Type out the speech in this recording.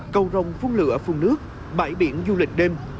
cầu rồng phun lửa phun nước bãi biển du lịch đêm